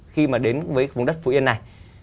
khi mà đến với vùng đất phú yên này